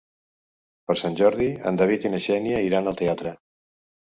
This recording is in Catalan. Per Sant Jordi en David i na Xènia iran al teatre.